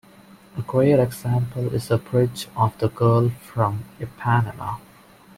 A great example is the bridge of "The Girl from Ipanema".